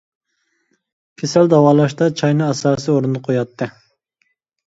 كېسەل داۋالاشتا چاينى ئاساسىي ئورۇندا قوياتتى.